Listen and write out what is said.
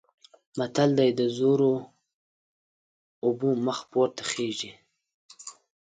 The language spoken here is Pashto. متل دی: د زورو اوبه مخ پورته خیژي.